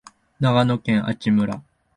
長野県阿智村